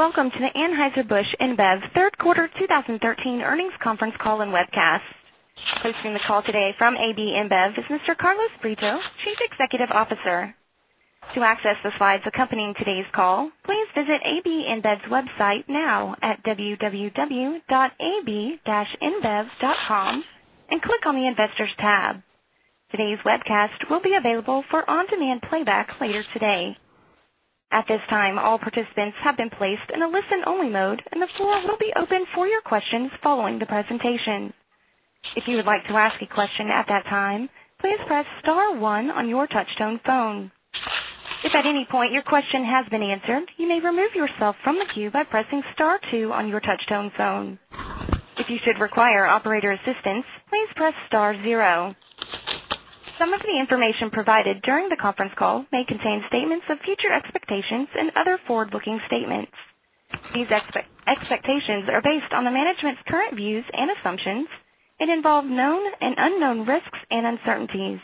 Welcome to the Anheuser-Busch InBev third quarter 2013 earnings conference call and webcast. Hosting the call today from AB InBev is Mr. Carlos Brito, Chief Executive Officer. To access the slides accompanying today's call, please visit ab-inbev.com and click on the Investors tab. Today's webcast will be available for on-demand playback later today. At this time, all participants have been placed in a listen-only mode, and the floor will be open for your questions following the presentation. If you would like to ask a question at that time, please press star one on your touch-tone phone. If at any point your question has been answered, you may remove yourself from the queue by pressing star two on your touch-tone phone. If you should require operator assistance, please press star zero. Some of the information provided during the conference call may contain statements of future expectations and other forward-looking statements. These expectations are based on the management's current views and assumptions and involve known and unknown risks and uncertainties.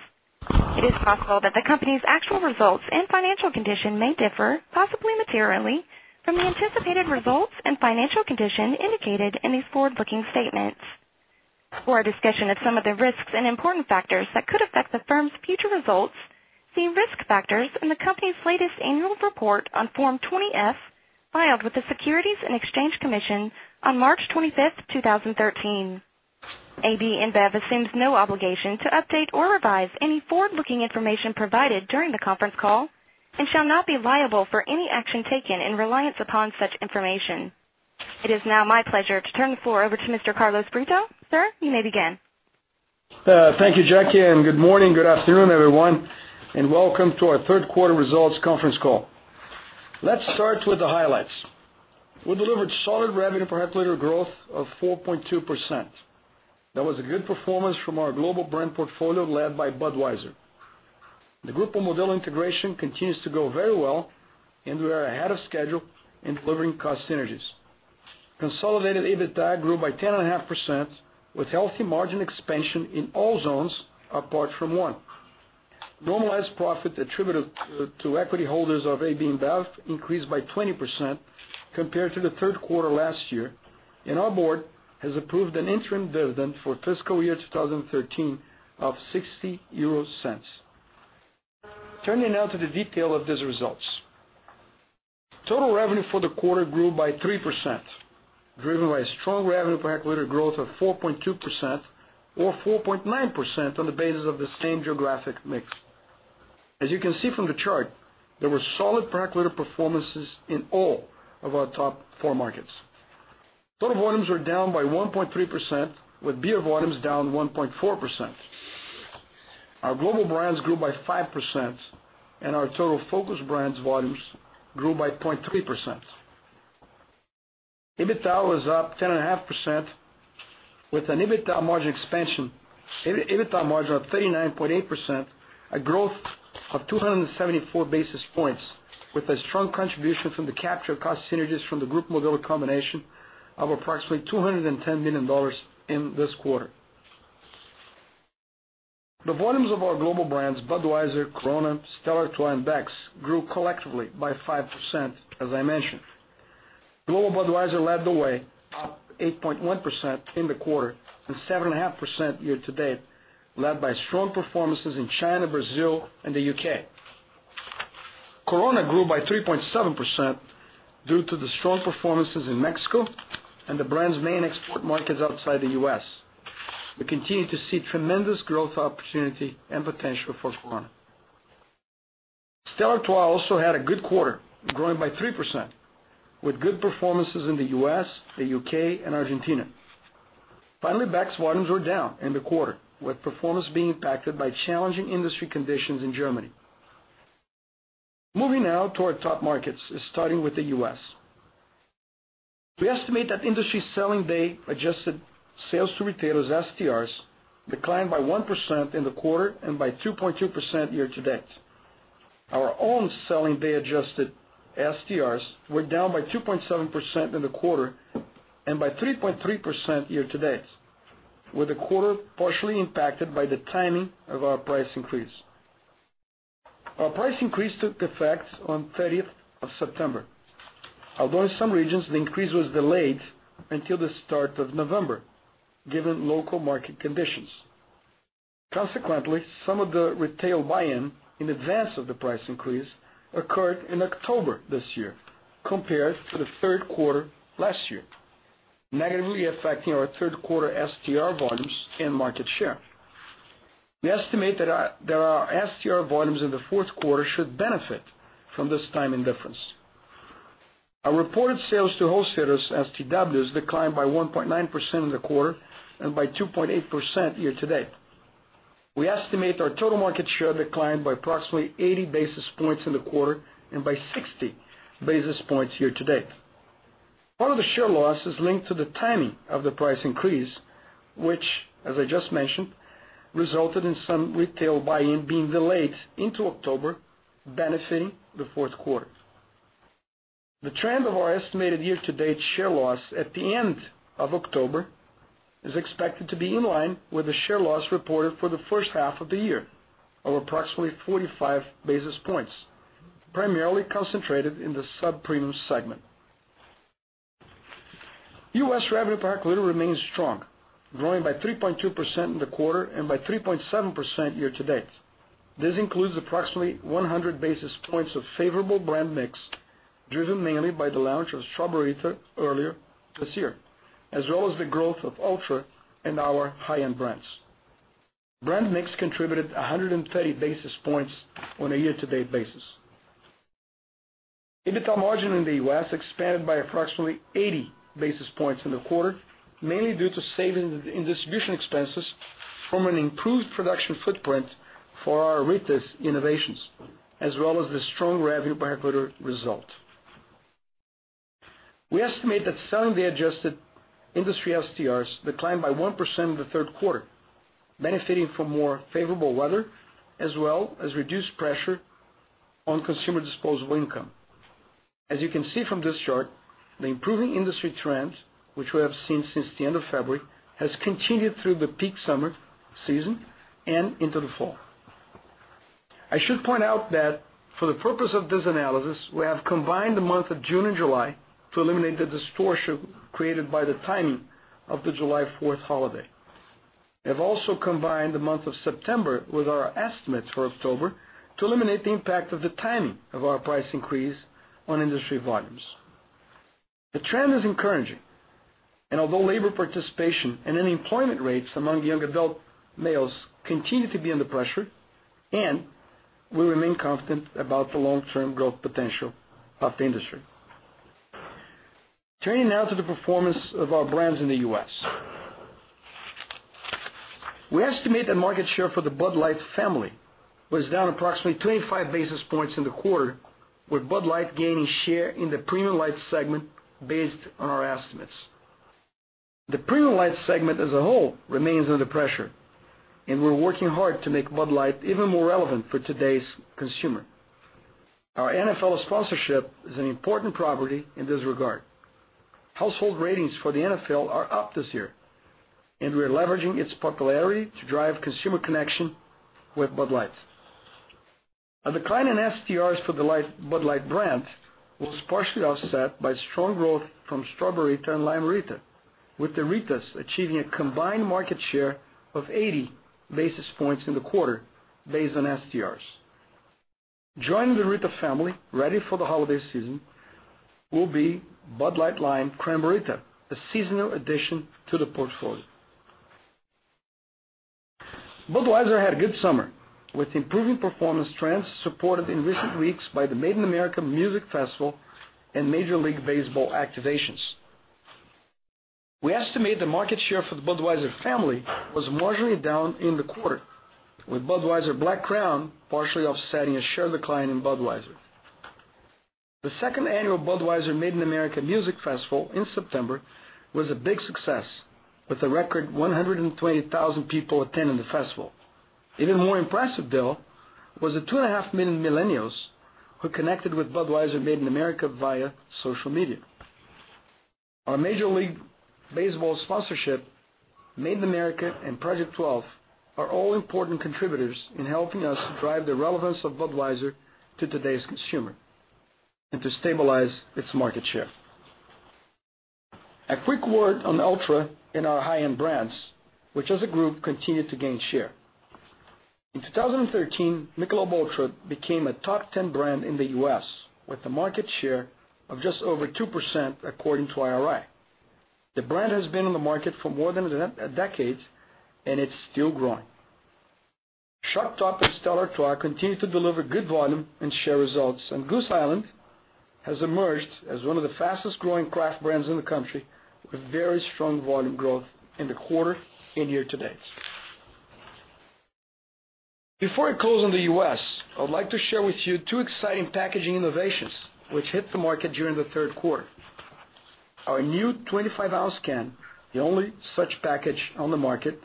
It is possible that the company's actual results and financial condition may differ, possibly materially, from the anticipated results and financial condition indicated in these forward-looking statements. For a discussion of some of the risks and important factors that could affect the firm's future results, see risk factors in the company's latest annual report on Form 20-F, filed with the Securities and Exchange Commission on March 25th, 2013. AB InBev assumes no obligation to update or revise any forward-looking information provided during the conference call and shall not be liable for any action taken in reliance upon such information. It is now my pleasure to turn the floor over to Mr. Carlos Brito. Sir, you may begin. Thank you, Jackie. Good morning, good afternoon, everyone, and welcome to our third quarter results conference call. Let's start with the highlights. We delivered solid revenue per hectoliter growth of 4.2%. That was a good performance from our global brand portfolio, led by Budweiser. The Grupo Modelo integration continues to go very well, and we are ahead of schedule in delivering cost synergies. Consolidated EBITDA grew by 10.5% with healthy margin expansion in all zones apart from one. Normalized profit attributed to equity holders of AB InBev increased by 20% compared to the third quarter last year. Our board has approved an interim dividend for fiscal year 2013 of 0.60. Turning now to the detail of these results. Total revenue for the quarter grew by 3%, driven by strong revenue per hectoliter growth of 4.2%, or 4.9% on the basis of the same geographic mix. As you can see from the chart, there were solid per hectoliter performances in all of our top four markets. Total volumes were down by 1.3%, with beer volumes down 1.4%. Our global brands grew by 5%, and our total focus brands volumes grew by 0.3%. EBITDA was up 10.5% with an EBITDA margin of 39.8%, a growth of 274 basis points, with a strong contribution from the capture cost synergies from the Grupo Modelo combination of approximately $210 million in this quarter. The volumes of our global brands, Budweiser, Corona, Stella Artois, and Beck's, grew collectively by 5%, as I mentioned. Global Budweiser led the way, up 8.1% in the quarter and 7.5% year-to-date, led by strong performances in China, Brazil, and the U.K. Corona grew by 3.7% due to the strong performances in Mexico and the brand's main export markets outside the U.S. We continue to see tremendous growth opportunity and potential for Corona. Stella Artois also had a good quarter, growing by 3%, with good performances in the U.S., the U.K., and Argentina. Finally, Beck's volumes were down in the quarter, with performance being impacted by challenging industry conditions in Germany. Moving now to our top markets, starting with the U.S. We estimate that industry selling day-adjusted sales to retailers, SDRs, declined by 1% in the quarter and by 2.2% year-to-date. Our own selling day-adjusted SDRs were down by 2.7% in the quarter and by 3.3% year-to-date, with the quarter partially impacted by the timing of our price increase. Our price increase took effect on 30th of September. In some regions, the increase was delayed until the start of November, given local market conditions. Some of the retail buy-in in advance of the price increase occurred in October this year compared to the third quarter last year, negatively affecting our third quarter SDR volumes and market share. We estimate that our SDR volumes in the fourth quarter should benefit from this timing difference. Our reported sales to wholesalers, STWs, declined by 1.9% in the quarter and by 2.8% year-to-date. We estimate our total market share declined by approximately 80 basis points in the quarter and by 60 basis points year-to-date. Part of the share loss is linked to the timing of the price increase, which as I just mentioned, resulted in some retail buy-in being delayed into October, benefiting the fourth quarter. The trend of our estimated year-to-date share loss at the end of October is expected to be in line with the share loss reported for the first half of the year, of approximately 45 basis points, primarily concentrated in the sub-premium segment. U.S. revenue per hectolitre remains strong, growing by 3.2% in the quarter and by 3.7% year-to-date. This includes approximately 100 basis points of favorable brand mix, driven mainly by the launch of Straw-Ber-Rita earlier this year, as well as the growth of ULTRA and our high-end brands. Brand mix contributed 130 basis points on a year-to-date basis. EBITDA margin in the U.S. expanded by approximately 80 basis points in the quarter, mainly due to savings in distribution expenses from an improved production footprint for our Ritas innovations, as well as the strong revenue per hectolitre result. We estimate that selling day adjusted industry STRs declined by 1% in the third quarter, benefiting from more favorable weather, as well as reduced pressure on consumer disposable income. As you can see from this chart, the improving industry trends, which we have seen since the end of February, has continued through the peak summer season and into the fall. I should point out that for the purpose of this analysis, we have combined the month of June and July to eliminate the distortion created by the timing of the July 4th holiday. We have also combined the month of September with our estimates for October to eliminate the impact of the timing of our price increase on industry volumes. The trend is encouraging, although labor participation and unemployment rates among young adult males continue to be under pressure, we remain confident about the long-term growth potential of the industry. Turning now to the performance of our brands in the U.S. We estimate that market share for the Bud Light family was down approximately 25 basis points in the quarter, with Bud Light gaining share in the premium light segment based on our estimates. The premium light segment as a whole remains under pressure, we're working hard to make Bud Light even more relevant for today's consumer. Our NFL sponsorship is an important property in this regard. Household ratings for the NFL are up this year, we're leveraging its popularity to drive consumer connection with Bud Light. A decline in STRs for the Bud Light brands was partially offset by strong growth from Straw-Ber-Rita and Lime-A-Rita, with the Ritas achieving a combined market share of 80 basis points in the quarter based on STRs. Joining the Ritas family ready for the holiday season will be Bud Light Lime Cran-Brrr-Rita, a seasonal addition to the portfolio. Budweiser had a good summer with improving performance trends supported in recent weeks by the Budweiser Made in America and Major League Baseball activations. We estimate the market share for the Budweiser family was marginally down in the quarter, with Budweiser Black Crown partially offsetting a share decline in Budweiser. The second annual Budweiser Made in America in September was a big success, with a record 120,000 people attending the festival. Even more impressive, though, was the 2.5 million millennials who connected with Budweiser Made in America via social media. Our Major League Baseball sponsorship, Budweiser Made in America, and Project 12 are all important contributors in helping us drive the relevance of Budweiser to today's consumer and to stabilize its market share. A quick word on Ultra and our high-end brands, which as a group, continue to gain share. In 2013, Michelob ULTRA became a top 10 brand in the U.S., with a market share of just over 2% according to IRI. The brand has been on the market for more than a decade, and it's still growing. Shock Top and Stella Artois continue to deliver good volume and share results, and Goose Island has emerged as one of the fastest-growing craft brands in the country, with very strong volume growth in the quarter and year to date. Before I close on the U.S., I would like to share with you two exciting packaging innovations, which hit the market during the third quarter. Our new 25-ounce can, the only such package on the market,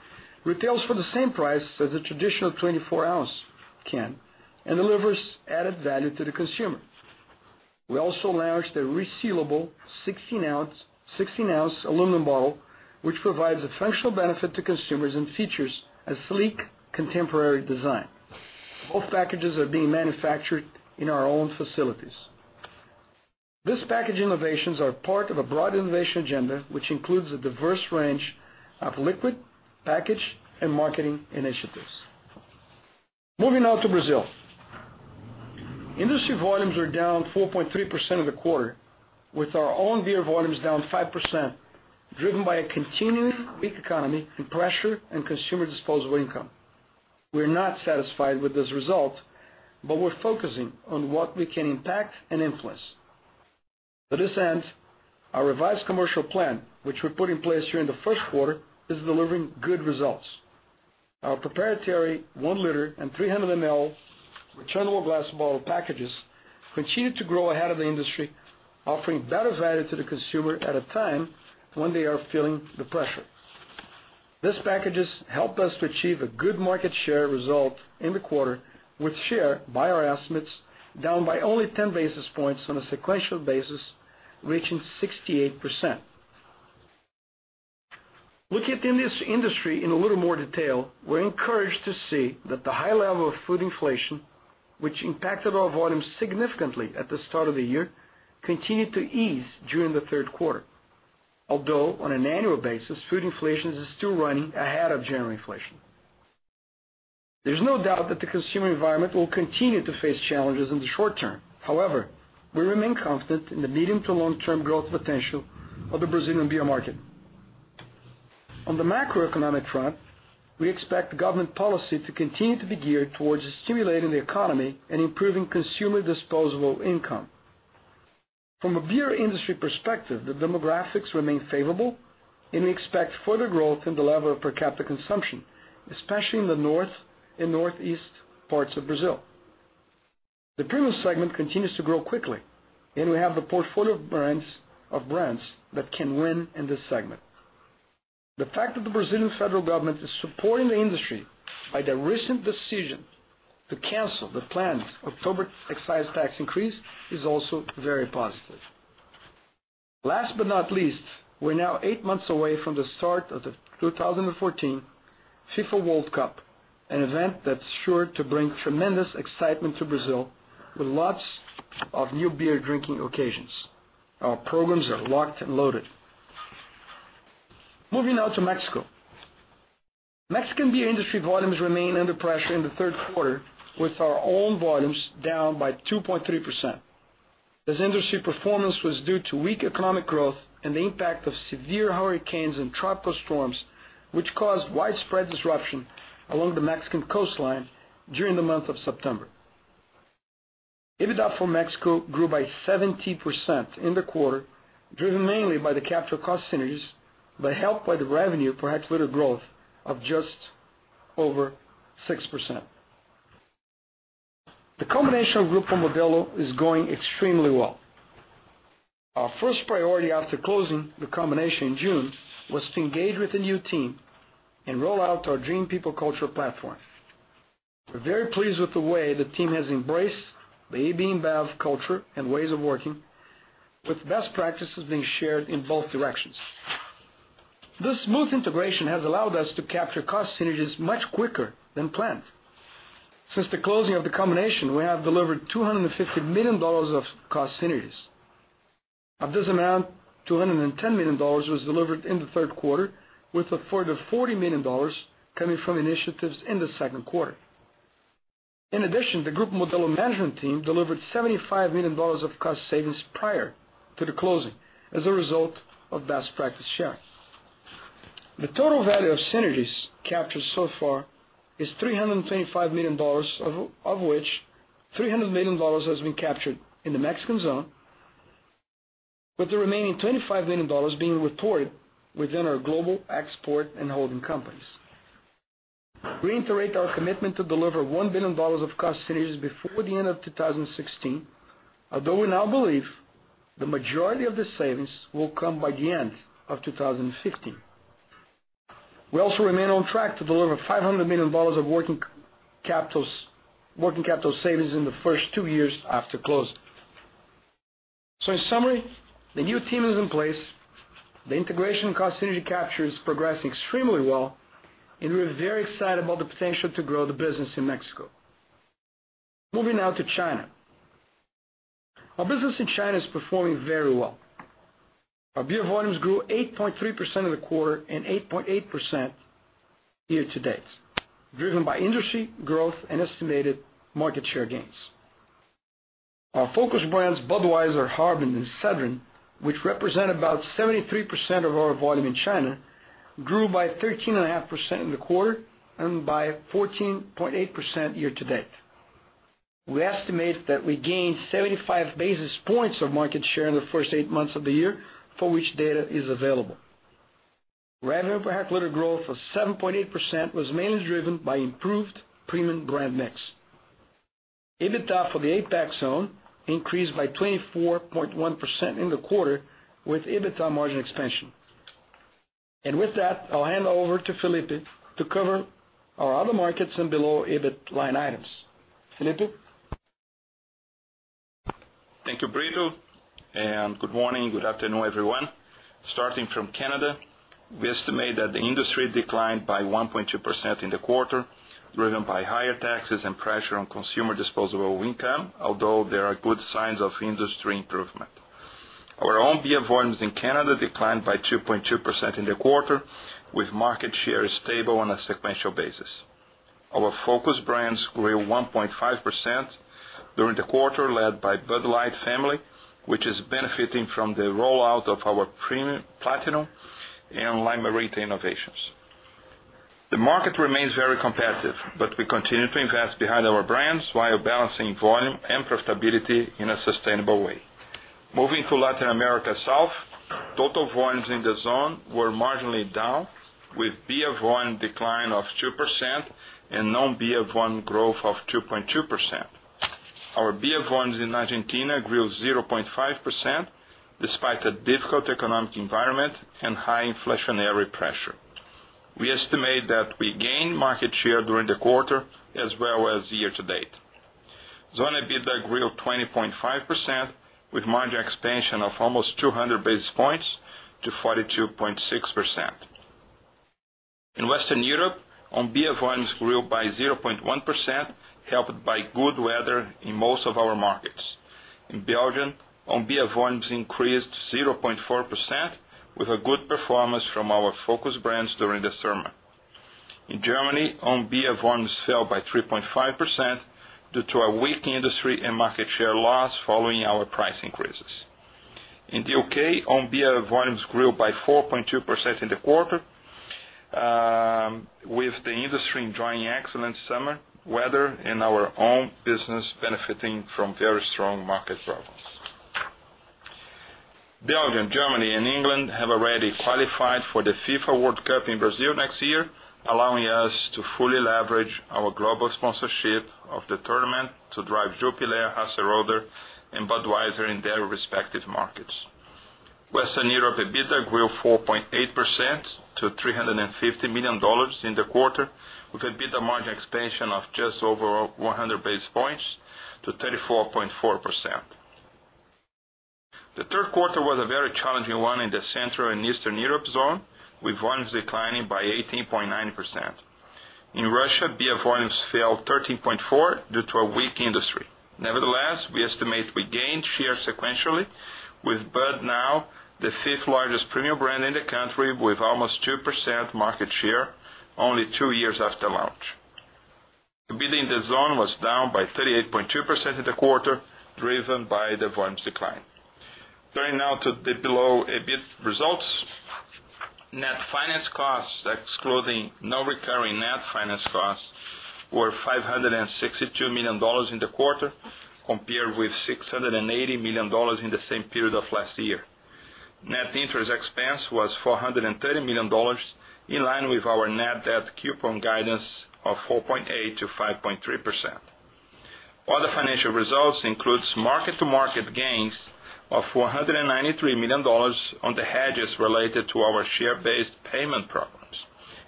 retails for the same price as a traditional 24-ounce can and delivers added value to the consumer. We also launched a resealable 16-ounce aluminum bottle, which provides a functional benefit to consumers and features a sleek, contemporary design. Both packages are being manufactured in our own facilities. These package innovations are part of a broad innovation agenda, which includes a diverse range of liquid, package, and marketing initiatives. Moving now to Brazil. Industry volumes are down 4.3% in the quarter, with our own beer volumes down 5%, driven by a continued weak economy and pressure in consumer disposable income. We're not satisfied with this result, but we're focusing on what we can impact and influence. To this end, our revised commercial plan, which we put in place during the first quarter, is delivering good results. Our proprietary one liter and 300 ml returnable glass bottle packages continued to grow ahead of the industry, offering better value to the consumer at a time when they are feeling the pressure. These packages help us to achieve a good market share result in the quarter with share, by our estimates, down by only 10 basis points on a sequential basis, reaching 68%. Looking in this industry in a little more detail, we're encouraged to see that the high level of food inflation, which impacted our volumes significantly at the start of the year, continued to ease during the third quarter. Although on an annual basis, food inflation is still running ahead of general inflation. There's no doubt that the consumer environment will continue to face challenges in the short term. However, we remain confident in the medium to long-term growth potential of the Brazilian beer market. On the macroeconomic front, we expect government policy to continue to be geared towards stimulating the economy and improving consumer disposable income. From a beer industry perspective, the demographics remain favorable, and we expect further growth in the level of per capita consumption, especially in the north and northeast parts of Brazil. The premium segment continues to grow quickly, and we have the portfolio of brands that can win in this segment. The fact that the Brazilian federal government is supporting the industry by the recent decision to cancel the planned October excise tax increase is also very positive. Last but not least, we're now eight months away from the start of the 2014 FIFA World Cup, an event that's sure to bring tremendous excitement to Brazil with lots of new beer-drinking occasions. Our programs are locked and loaded. Moving now to Mexico. Mexican beer industry volumes remained under pressure in the third quarter, with our own volumes down by 2.3%. This industry performance was due to weak economic growth and the impact of severe hurricanes and tropical storms, which caused widespread disruption along the Mexican coastline during the month of September. EBITDA for Mexico grew by 70% in the quarter, driven mainly by the capital cost synergies, but helped by the revenue per hectoliter growth of just over 6%. The combination of Grupo Modelo is going extremely well. Our first priority after closing the combination in June was to engage with the new team and roll out our Dream-People-Culture platform. We're very pleased with the way the team has embraced the AB InBev culture and ways of working, with best practices being shared in both directions. This smooth integration has allowed us to capture cost synergies much quicker than planned. Since the closing of the combination, we have delivered $250 million of cost synergies. Of this amount, $210 million was delivered in the third quarter, with a further $40 million coming from initiatives in the second quarter. In addition, the Grupo Modelo management team delivered $75 million of cost savings prior to the closing as a result of best practice sharing. The total value of synergies captured so far is $325 million, of which $300 million has been captured in the Mexican zone, with the remaining $25 million being reported within our global export and holding companies. We reiterate our commitment to deliver $1 billion of cost synergies before the end of 2016, although we now believe the majority of the savings will come by the end of 2015. We also remain on track to deliver $500 million of working capital savings in the first two years after closing. In summary, the new team is in place. The integration cost synergy capture is progressing extremely well, and we're very excited about the potential to grow the business in Mexico. Moving now to China. Our business in China is performing very well. Our beer volumes grew 8.3% in the quarter and 8.8% year-to-date, driven by industry growth and estimated market share gains. Our focus brands, Budweiser, Harbin, and Sedrin, which represent about 73% of our volume in China, grew by 13.5% in the quarter and by 14.8% year-to-date. We estimate that we gained 75 basis points of market share in the first eight months of the year for which data is available. Revenue per hectoliter growth of 7.8% was mainly driven by improved premium brand mix. EBITDA for the APAC zone increased by 24.1% in the quarter with EBITDA margin expansion. With that, I'll hand over to Felipe to cover our other markets and below EBIT line items. Felipe? Thank you, Brito. Good morning, good afternoon, everyone. Starting from Canada, we estimate that the industry declined by 1.2% in the quarter, driven by higher taxes and pressure on consumer disposable income, although there are good signs of industry improvement. Our own beer volumes in Canada declined by 2.2% in the quarter, with market share stable on a sequential basis. Our focus brands grew 1.5% during the quarter led by Bud Light family, which is benefiting from the rollout of our Bud Light Platinum and Lime-A-Rita innovations. The market remains very competitive, but we continue to invest behind our brands while balancing volume and profitability in a sustainable way. Moving to Latin America South, total volumes in the zone were marginally down, with beer volume decline of 2% and non-beer volume growth of 2.2%. Volumes in Argentina grew 0.5%, despite a difficult economic environment and high inflationary pressure. We estimate that we gained market share during the quarter as well as year-to-date. Zone EBITDA grew 20.5% with margin expansion of almost 200 basis points to 42.6%. In Western Europe, on beer volumes grew by 0.1%, helped by good weather in most of our markets. In Belgium, on beer volumes increased 0.4%, with a good performance from our focus brands during the summer. In Germany, on beer volumes fell by 3.5% due to a weak industry and market share loss following our price increases. In the U.K., on beer volumes grew by 4.2% in the quarter, with the industry enjoying excellent summer weather and our own business benefiting from very strong market growth. Belgium, Germany, and England have already qualified for the FIFA World Cup in Brazil next year, allowing us to fully leverage our global sponsorship of the tournament to drive Jupiler, Hasseröder, and Budweiser in their respective markets. Western Europe, EBITDA grew 4.8% to $350 million in the quarter, with an EBITDA margin expansion of just over 100 basis points to 34.4%. The third quarter was a very challenging one in the Central and Eastern Europe zone, with volumes declining by 18.9%. In Russia, beer volumes fell 13.4% due to a weak industry. Nevertheless, we estimate we gained share sequentially with Bud now the fifth-largest premium brand in the country with almost 2% market share, only two years after launch. EBITDA in the zone was down by 38.2% in the quarter, driven by the volumes decline. Turning now to the below EBIT results. Net finance costs, excluding non-recurring net finance costs, were $562 million in the quarter, compared with $680 million in the same period of last year. Net interest expense was $430 million, in line with our net debt coupon guidance of 4.8%-5.3%. Other financial results includes market-to-market gains of $493 million on the hedges related to our share-based payment programs.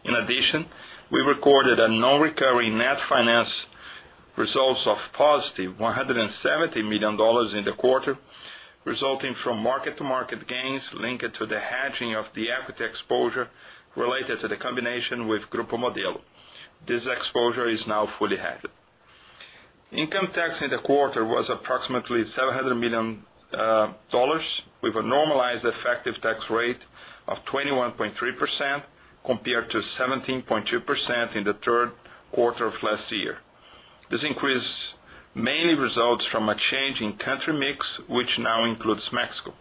In addition, we recorded a non-recurring net finance results of positive $170 million in the quarter, resulting from market-to-market gains linked to the hedging of the equity exposure related to the combination with Grupo Modelo. This exposure is now fully hedged. Income tax in the quarter was approximately $700 million with a normalized effective tax rate of 21.3% compared to 17.2% in the third quarter of last year. This increase mainly results from a change in country mix, which now includes Mexico.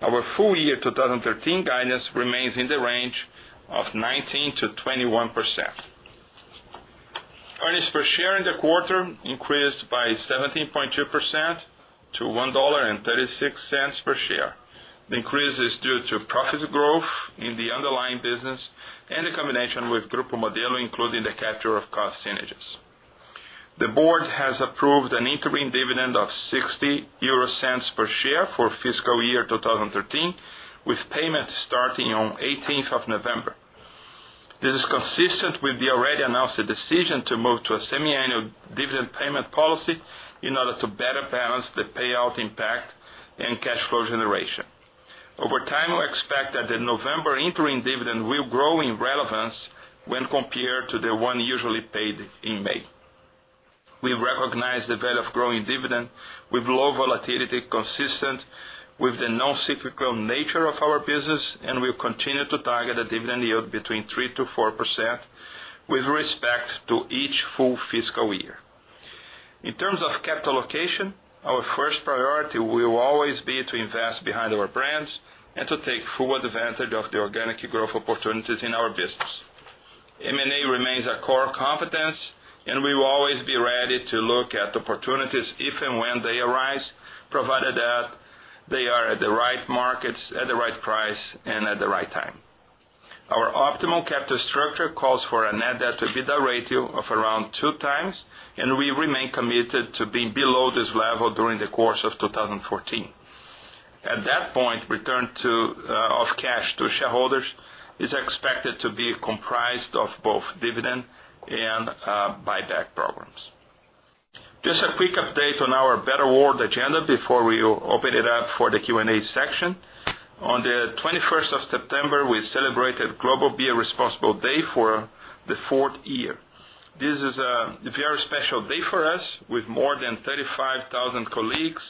Our full year 2013 guidance remains in the range of 19%-21%. Earnings per share in the quarter increased by 17.2% to $1.36 per share. The increase is due to profits growth in the underlying business and the combination with Grupo Modelo, including the capture of cost synergies. The board has approved an interim dividend of €0.60 per share for fiscal year 2013, with payment starting on 18th of November. This is consistent with the already announced decision to move to a semiannual dividend payment policy in order to better balance the payout impact and cash flow generation. Over time, we expect that the November interim dividend will grow in relevance when compared to the one usually paid in May. We recognize the value of growing dividend with low volatility consistent with the non-cyclical nature of our business. We'll continue to target a dividend yield between 3%-4% with respect to each full fiscal year. In terms of capital allocation, our first priority will always be to invest behind our brands and to take full advantage of the organic growth opportunities in our business. M&A remains a core competence, and we will always be ready to look at opportunities if and when they arise, provided that they are at the right markets, at the right price, and at the right time. Our optimal capital structure calls for a net debt to EBITDA ratio of around two times, and we remain committed to being below this level during the course of 2014. At that point, return of cash to shareholders is expected to be comprised of both dividend and buyback programs. Just a quick update on our Better World agenda before we open it up for the Q&A section. On the 21st of September, we celebrated Global Be Responsible Day for the fourth year. This is a very special day for us, with more than 35,000 colleagues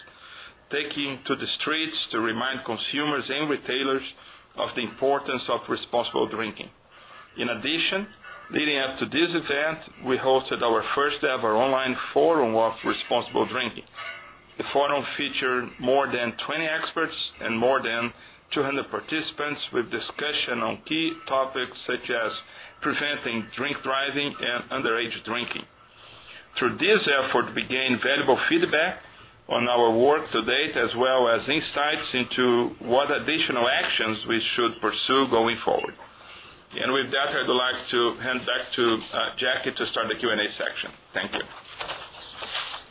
taking to the streets to remind consumers and retailers of the importance of responsible drinking. In addition, leading up to this event, we hosted our first-ever online forum of responsible drinking. The forum featured more than 20 experts and more than 200 participants with discussion on key topics such as preventing drink driving and underage drinking. Through this effort, we gained valuable feedback on our work to date, as well as insights into what additional Jackie, to start the Q&A section. Thank you.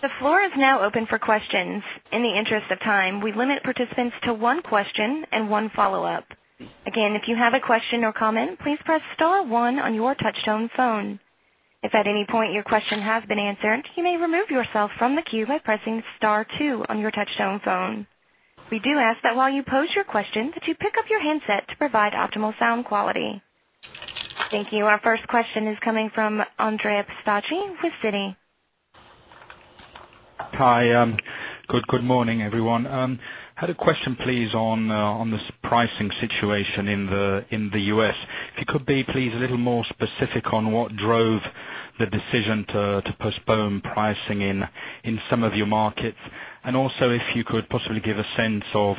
The floor is now open for questions. In the interest of time, we limit participants to one question and one follow-up. Again, if you have a question or comment, please press star one on your touch-tone phone. If at any point your question has been answered, you may remove yourself from the queue by pressing star two on your touch-tone phone. We do ask that while you pose your question, that you pick up your handset to provide optimal sound quality. Thank you. Our first question is coming from Andrea Pistacchi with Citi. Hi. Good morning, everyone. Had a question, please, on this pricing situation in the U.S. If you could be, please, a little more specific on what drove the decision to postpone pricing in some of your markets. Also, if you could possibly give a sense of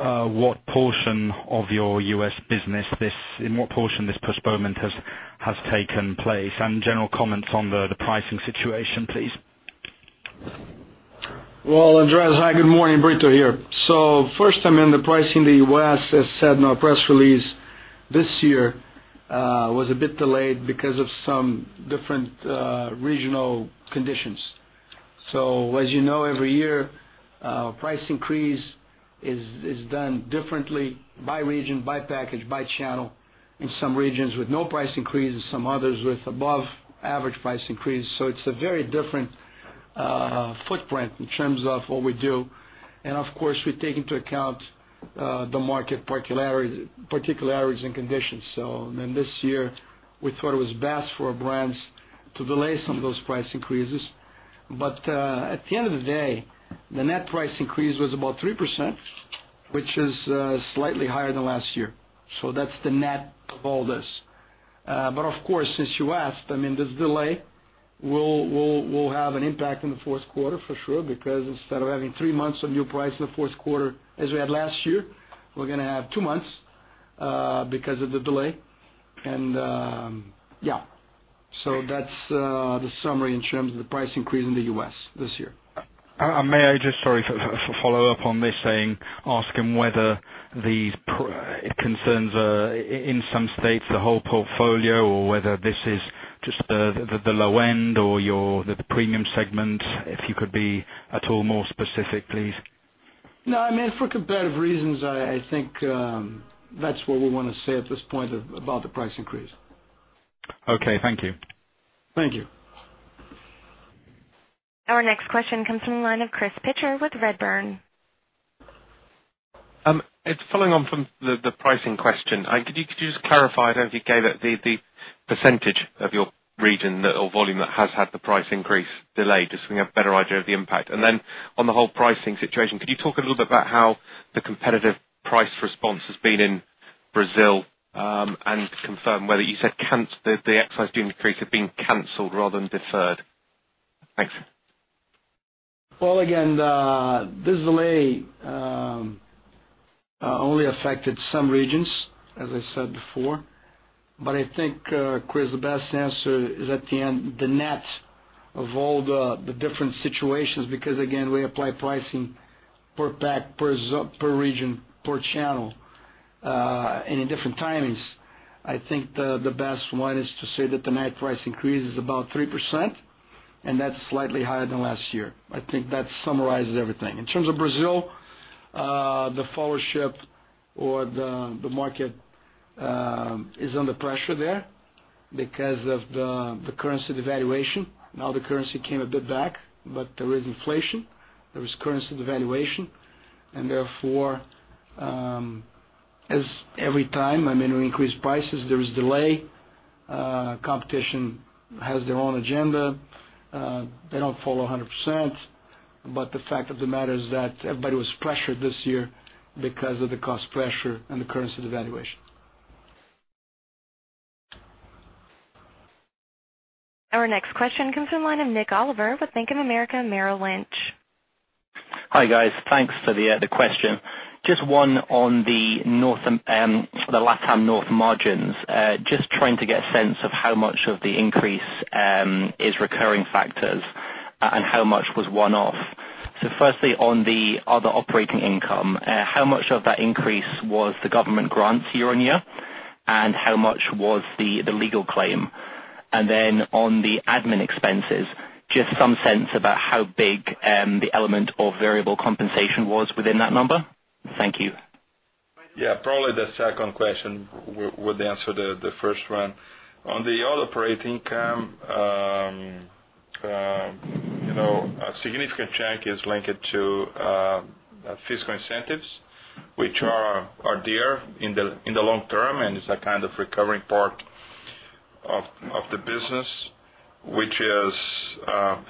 what portion of your U.S. business this postponement has taken place, and general comments on the pricing situation, please. Well, Andrea, hi, good morning. Brito here. First, I mean, the pricing in the U.S., as said in our press release this year, was a bit delayed because of some different regional conditions. As you know, every year, price increase is done differently by region, by package, by channel. In some regions with no price increases, some others with above-average price increases. It's a very different footprint in terms of what we do. Of course, we take into account the market particularities and conditions. In this year, we thought it was best for our brands to delay some of those price increases. At the end of the day, the net price increase was about 3%, which is slightly higher than last year. That's the net of all this. Of course, since you asked, I mean, this delay will have an impact in the fourth quarter for sure, because instead of having three months of new price in the fourth quarter, as we had last year, we're going to have two months, because of the delay. That's the summary in terms of the price increase in the U.S. this year. May I just follow up on this saying, asking whether these concerns are, in some states, the whole portfolio or whether this is just the low end or the premium segment. If you could be at all more specific, please. No, I mean, for competitive reasons, I think that is what we want to say at this point about the price increase. Okay. Thank you. Thank you. Our next question comes from the line of Chris Pitcher with Redburn. It's following on from the pricing question. Could you just clarify? I don't think you gave the percentage of your region or volume that has had the price increase delayed, just so we have a better idea of the impact. On the whole pricing situation, could you talk a little bit about how the competitive price response has been in Brazil, and confirm whether you said the excise duty increase had been canceled rather than deferred. Thanks. Well, again, this delay only affected some regions, as I said before. I think, Chris, the best answer is at the end, the net of all the different situations, because again, we apply pricing per pack, per region, per channel, and in different timings. I think the best one is to say that the net price increase is about 3%, and that's slightly higher than last year. I think that summarizes everything. In terms of Brazil, the followership or the market is under pressure there because of the currency devaluation. Now, the currency came a bit back, but there is inflation, there is currency devaluation, and therefore, as every time, I mean, we increase prices, there is delay. Competition has their own agenda. They don't follow 100%, but the fact of the matter is that everybody was pressured this year because of the cost pressure and the currency devaluation. Our next question comes from the line of Nik Oliver with Bank of America, Merrill Lynch. Hi, guys. Thanks for the question. Just one on the LatAm North margins. Just trying to get a sense of how much of the increase is recurring factors and how much was one-off. Firstly, on the other operating income, how much of that increase was the government grants year-over-year, and how much was the legal claim? On the admin expenses, just some sense about how big the element of variable compensation was within that number. Thank you. Yeah. Probably the second question would answer the first one. On the other operating income, a significant chunk is linked to fiscal incentives, which are there in the long term, and it's a kind of recurring part of the business, which is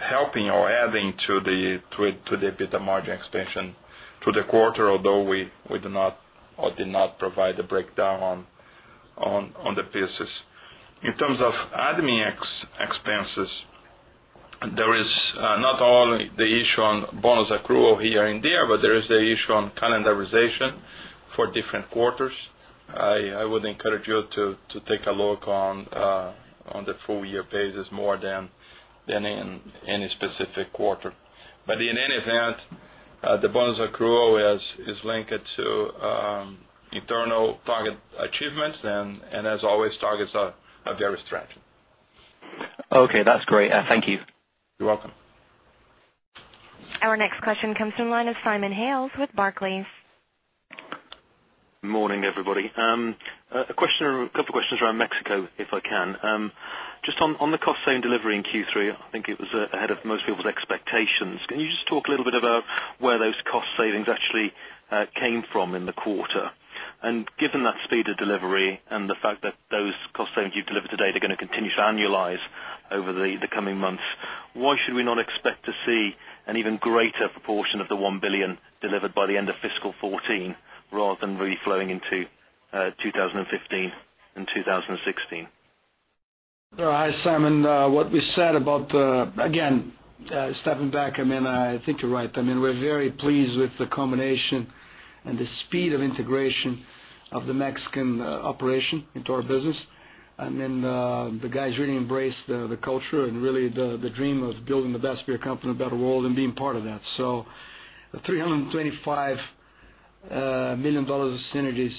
helping or adding to the EBITDA margin expansion to the quarter, although we do not or did not provide the breakdown on the pieces. In terms of admin expenses, there is not only the issue on bonus accrual here and there, but there is the issue on calendarization for different quarters. I would encourage you to take a look on the full year basis more than in any specific quarter. In any event, the bonus accrual is linked to Internal target achievements. As always, targets are very stretched. Okay, that's great. Thank you. You're welcome. Our next question comes from the line of Simon Hales with Barclays. Morning, everybody. A couple of questions around Mexico, if I can. Just on the cost saving delivery in Q3, I think it was ahead of most people's expectations. Can you just talk a little bit about where those cost savings actually came from in the quarter? Given that speed of delivery and the fact that those cost savings you've delivered today are going to continue to annualize over the coming months, why should we not expect to see an even greater proportion of the $1 billion delivered by the end of FY 2014 rather than really flowing into 2015 and 2016? Hi, Simon. What we said about, again, stepping back, I think you're right. We're very pleased with the combination and the speed of integration of the Mexican operation into our business. The guys really embraced the culture and really the dream of building the best beer company in a better world and being part of that. The $325 million of synergies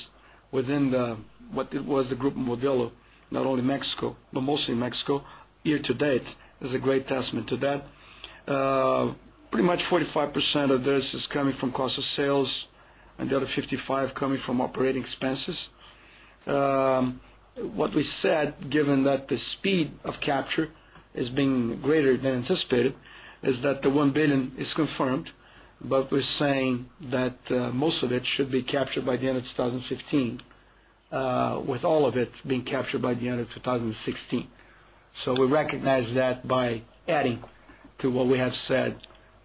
within what was the Grupo Modelo, not only Mexico, but mostly Mexico, year-to-date, is a great testament to that. Pretty much 45% of this is coming from cost of sales and the other 55% coming from operating expenses. What we said, given that the speed of capture is being greater than anticipated, is that the $1 billion is confirmed, but we're saying that most of it should be captured by the end of 2015, with all of it being captured by the end of 2016. We recognize that by adding to what we have said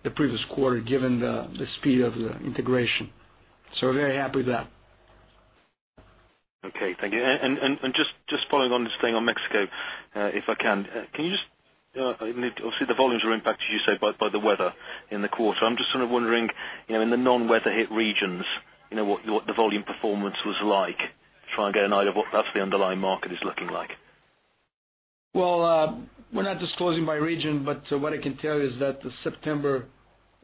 the previous quarter, given the speed of the integration. We're very happy with that. Okay. Thank you. Just following on this thing on Mexico, if I can. Obviously, the volumes were impacted, as you say, by the weather in the quarter. I'm just sort of wondering, in the non-weather hit regions, what the volume performance was like, try and get an idea of what the underlying market is looking like. Well, we're not disclosing by region, but what I can tell you is that September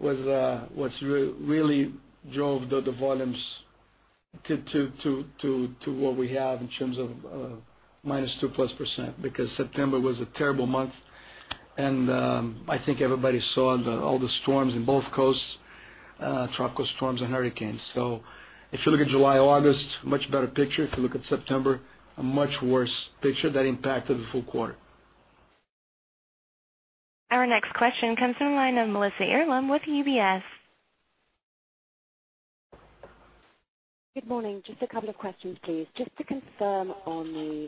really drove the volumes to what we have in terms of minus 2% plus percent, because September was a terrible month. I think everybody saw all the storms in both coasts, tropical storms and hurricanes. If you look at July, August, much better picture. If you look at September, a much worse picture. That impacted the full quarter. Our next question comes from the line of Melissa Earlam with UBS. Good morning. Just a couple of questions, please. Just to confirm on the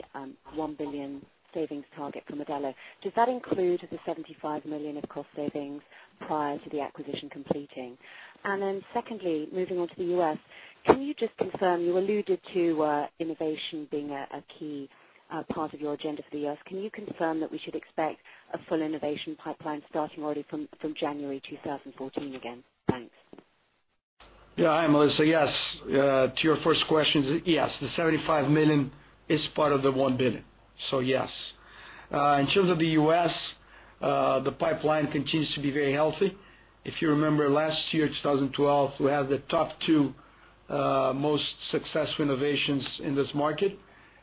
$1 billion savings target for Modelo, does that include the $75 million of cost savings prior to the acquisition completing? Secondly, moving on to the U.S., you alluded to innovation being a key part of your agenda for the U.S. Can you confirm that we should expect a full innovation pipeline starting already from January 2014 again? Thanks. Yeah. Hi, Melissa. Yes, to your first question, yes, the $75 million is part of the $1 billion. Yes. In terms of the U.S., the pipeline continues to be very healthy. If you remember last year, 2012, we have the top two most successful innovations in this market.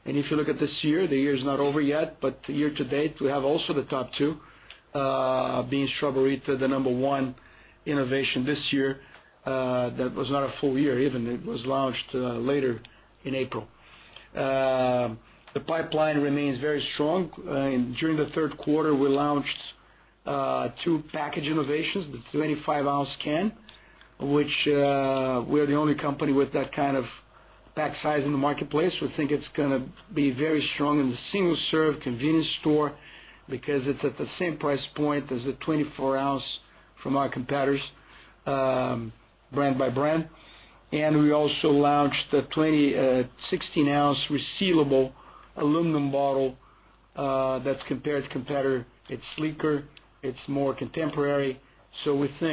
If you look at this year, the year is not over yet, but year-to-date, we have also the top two, being Straw-Ber-Rita the number one innovation this year. That was not a full year even. It was launched later in April. The pipeline remains very strong. During the third quarter, we launched two package innovations, the 25-ounce can, which we're the only company with that kind of pack size in the marketplace. We think it's going to be very strong in the single-serve convenience store because it's at the same price point as a 24-ounce from our competitors, brand by brand. We also launched the 16-ounce resealable aluminum bottle that's compared to competitor. It's sleeker. It's more contemporary. We're still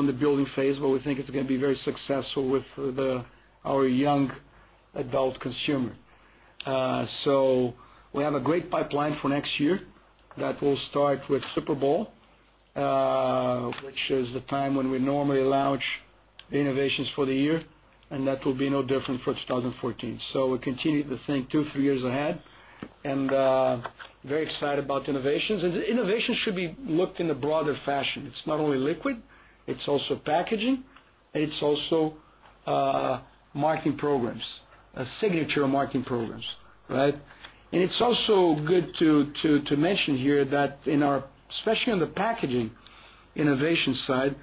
in the building phase, but we think it's going to be very successful with our young adult consumer. We have a great pipeline for next year that will start with Super Bowl, which is the time when we normally launch innovations for the year, and that will be no different for 2014. We continue to think two, three years ahead and very excited about innovations. Innovations should be looked in a broader fashion. It's not only liquid, it's also packaging, it's also marketing programs, signature marketing programs, right? It's also good to mention here that especially on the packaging innovation side,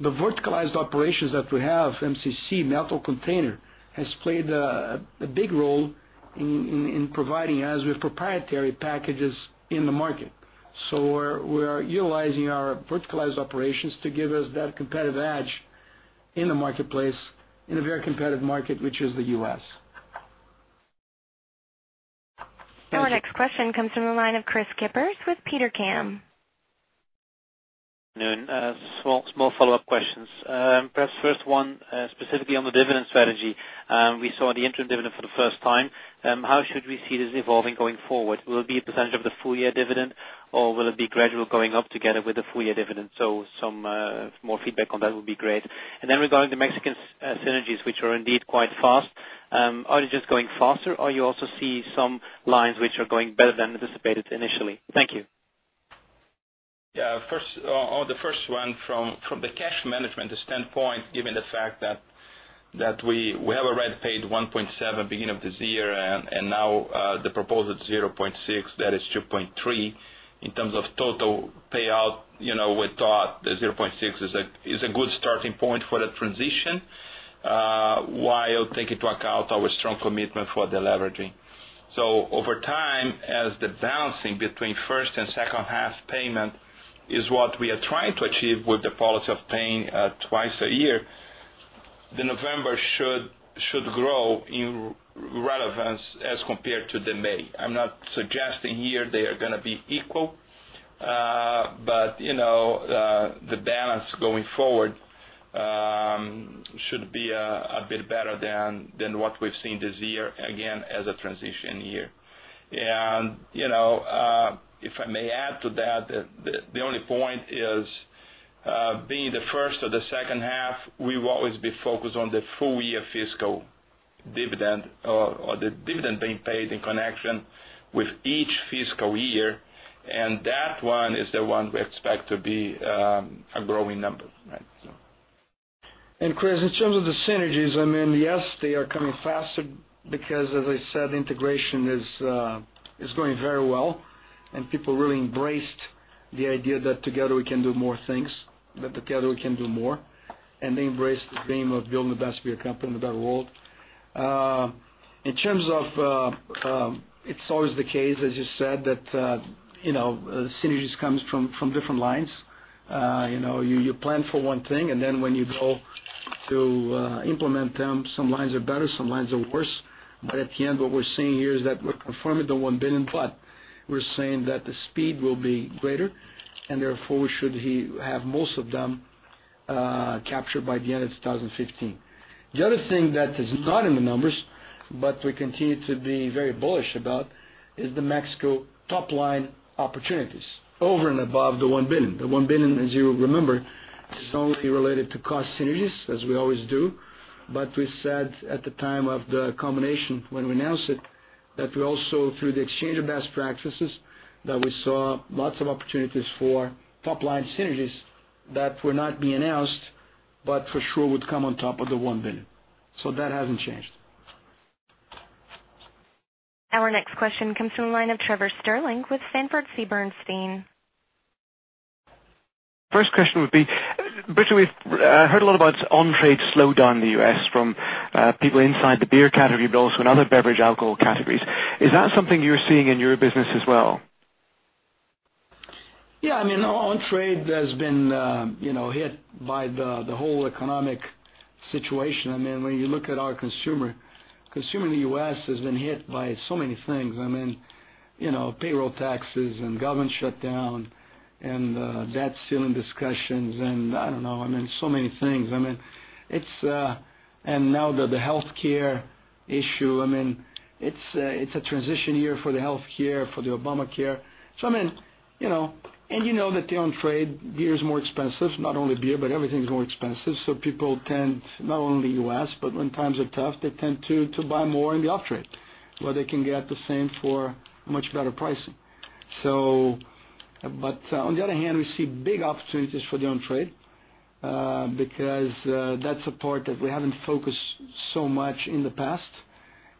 the verticalized operations that we have, MCC, Metal Container Corporation, has played a big role in providing us with proprietary packages in the market. We're utilizing our verticalized operations to give us that competitive edge in the marketplace, in a very competitive market, which is the U.S. Our next question comes from the line of Kris Kippers with Petercam. Noon. Small follow-up questions. Perhaps first one, specifically on the dividend strategy. We saw the interim dividend for the first time. How should we see this evolving going forward? Will it be a percentage of the full-year dividend, or will it be gradual going up together with the full-year dividend? Some more feedback on that would be great. Regarding the Mexican synergies, which are indeed quite fast Are they just going faster, or you also see some lines which are going better than anticipated initially? Thank you. Yeah. On the first one, from the cash management standpoint, given the fact that we have already paid 1.7 beginning of this year, and now the proposed 0.6, that is 2.3 in terms of total payout. We thought the 0.6 is a good starting point for that transition, while taking into account our strong commitment for deleveraging. Over time, as the balancing between first and second half payment is what we are trying to achieve with the policy of paying twice a year, the November should grow in relevance as compared to the May. I'm not suggesting here they are going to be equal. The balance going forward should be a bit better than what we've seen this year, again, as a transition year. If I may add to that, the only point is being the first or the second half, we will always be focused on the full year fiscal dividend or the dividend being paid in connection with each fiscal year. That one is the one we expect to be a growing number. Right. Kris, in terms of the synergies, yes, they are coming faster because, as I said, integration is going very well, and people really embraced the idea that together we can do more things, that together we can do more. They embraced the theme of building a better beer company in a better world. In terms of, it's always the case, as you said, that synergies comes from different lines. You plan for one thing, and then when you go to implement them, some lines are better, some lines are worse. But at the end, what we're seeing here is that we're confirming the $1 billion, but we're saying that the speed will be greater, and therefore, we should have most of them captured by the end of 2015. The other thing that is not in the numbers, but we continue to be very bullish about, is the Mexico top-line opportunities over and above the $1 billion. The $1 billion, as you remember, is only related to cost synergies, as we always do. We said at the time of the combination when we announced it, that we also, through the exchange of best practices, that we saw lots of opportunities for top-line synergies that were not being announced, but for sure would come on top of the $1 billion. That hasn't changed. Our next question comes from the line of Trevor Stirling with Sanford C. Bernstein. First question would be, Brito, we've heard a lot about on-trade slowdown in the U.S. from people inside the beer category, but also in other beverage alcohol categories. Is that something you're seeing in your business as well? On-trade has been hit by the whole economic situation. When you look at our consumer in the U.S. has been hit by so many things. Payroll taxes and government shutdown and the debt ceiling discussions, I don't know, so many things. Now the healthcare issue. It's a transition year for the healthcare, for the Obamacare. You know that the on-trade beer is more expensive. Not only beer, but everything is more expensive. People tend, not only U.S., but when times are tough, they tend to buy more in the off-trade, where they can get the same for a much better pricing. On the other hand, we see big opportunities for the on-trade, because that's a part that we haven't focused so much in the past.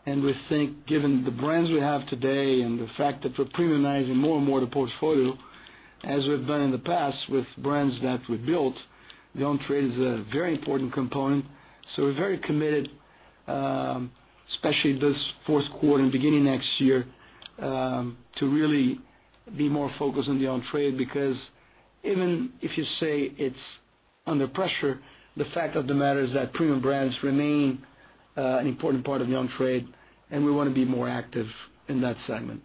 We think, given the brands we have today and the fact that we're premiumizing more and more the portfolio, as we've done in the past with brands that we built, the on-trade is a very important component. We're very committed, especially this fourth quarter and beginning next year, to really be more focused on the on-trade, because even if you say it's under pressure, the fact of the matter is that premium brands remain an important part of the on-trade, and we want to be more active in that segment.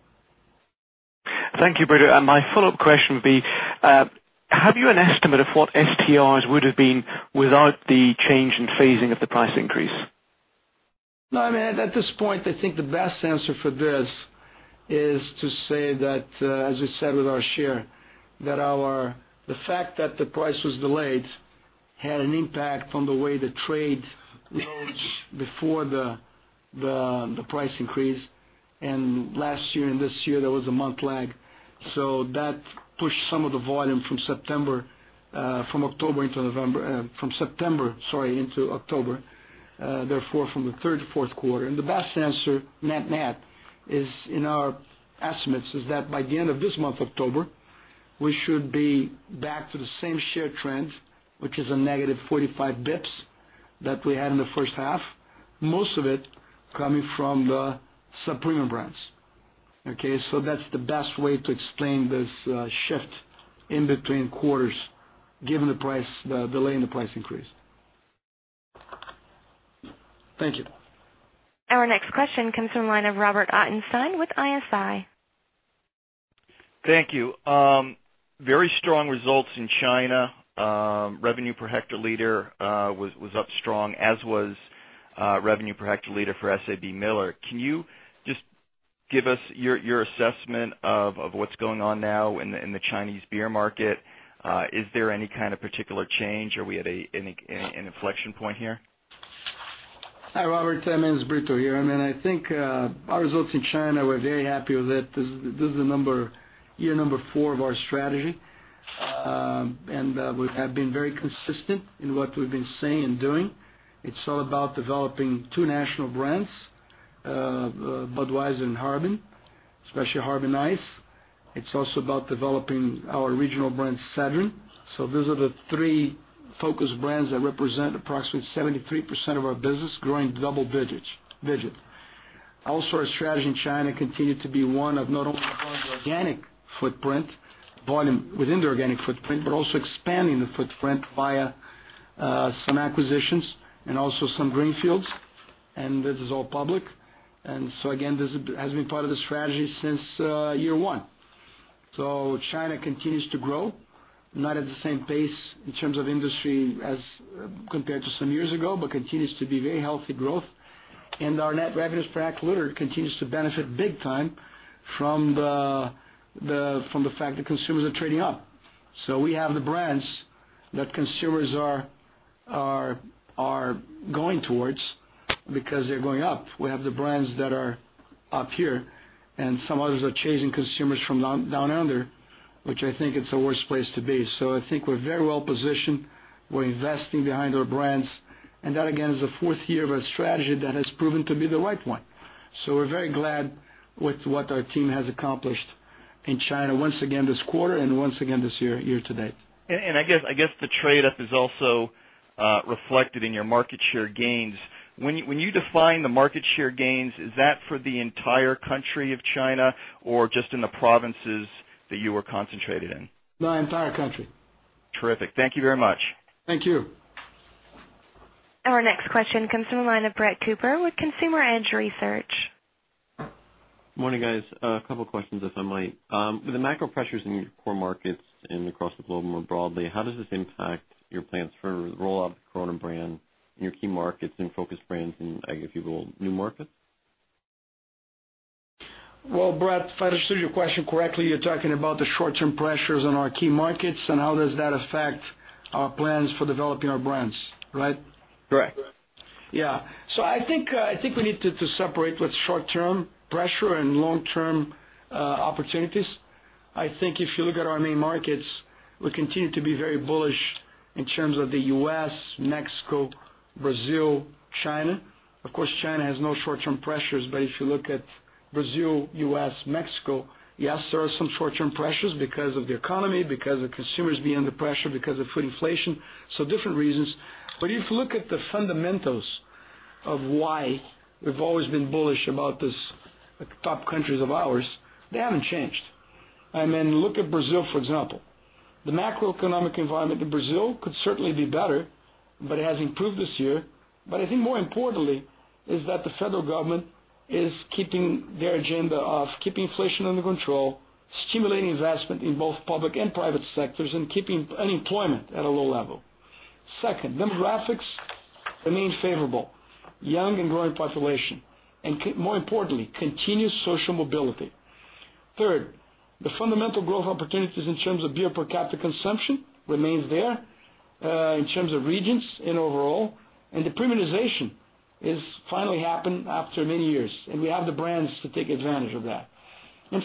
Thank you, Brito. My follow-up question would be, have you an estimate of what STRs would've been without the change in phasing of the price increase? At this point, I think the best answer for this is to say that, as we said with our share, that the fact that the price was delayed had an impact on the way the trade loads before the price increase. Last year and this year, there was a month lag. That pushed some of the volume from September into October, therefore from the third to fourth quarter. The best answer, net, is in our estimates, is that by the end of this month, October, we should be back to the same share trend, which is a negative 45 basis points that we had in the first half, most of it coming from the sub-premium brands. Okay? That's the best way to explain this shift in between quarters given the delay in the price increase. Thank you. Our next question comes from the line of Robert Ottenstein with ISI. Thank you. Very strong results in China. Revenue per hectoliter was up strong, as was revenue per hectoliter for SABMiller. Can you just give us your assessment of what's going on now in the Chinese beer market? Is there any kind of particular change? Are we at an inflection point here? Hi, Robert. It's Carlos Brito here. I think our results in China, we're very happy with it. This is year 4 of our strategy, and we have been very consistent in what we've been saying and doing. It's all about developing two national brands, Budweiser and Harbin, especially Harbin Ice. It's also about developing our regional brand, Sedrin. Those are the three focus brands that represent approximately 73% of our business growing double digits. Our strategy in China continued to be one of not only growing the organic footprint volume within the organic footprint, but also expanding the footprint via some acquisitions and also some greenfields, and this is all public. Again, this has been part of the strategy since year 1. China continues to grow, not at the same pace in terms of industry as compared to some years ago, but continues to be very healthy growth. Our net revenues per hectoliter continues to benefit big time from the fact that consumers are trading up. We have the brands that consumers are going towards because they're going up. We have the brands that are up here, and some others are chasing consumers from down under, which I think it's the worst place to be. I think we're very well positioned. We're investing behind our brands. That, again, is the fourth year of a strategy that has proven to be the right one. We're very glad with what our team has accomplished in China once again this quarter and once again this year to date. I guess the trade-up is also reflected in your market share gains. When you define the market share gains, is that for the entire country of China or just in the provinces that you were concentrated in? No, entire country. Terrific. Thank you very much. Thank you. Our next question comes from the line of Brett Cooper with Consumer Edge Research. Morning, guys. A couple questions, if I might. With the macro pressures in your core markets and across the globe more broadly, how does this impact your plans for the rollout of the Corona brand in your key markets and focus brands in, I guess, you build new markets? Well, Brett, if I understood your question correctly, you're talking about the short-term pressures on our key markets, and how does that affect our plans for developing our brands, right? Correct. I think we need to separate what's short-term pressure and long-term opportunities. I think if you look at our main markets, we continue to be very bullish in terms of the U.S., Mexico, Brazil, China. Of course, China has no short-term pressures, but if you look at Brazil, U.S., Mexico, yes, there are some short-term pressures because of the economy, because of consumers being under pressure because of food inflation. Different reasons. If you look at the fundamentals of why we've always been bullish about these top countries of ours, they haven't changed. Look at Brazil, for example. The macroeconomic environment in Brazil could certainly be better, but it has improved this year. I think more importantly is that the federal government is keeping their agenda of keeping inflation under control, stimulating investment in both public and private sectors, and keeping unemployment at a low level. Second, demographics remain favorable. Young and growing population, and more importantly, continuous social mobility. Third, the fundamental growth opportunities in terms of beer per capita consumption remains there, in terms of regions and overall. The premiumization is finally happening after many years, and we have the brands to take advantage of that.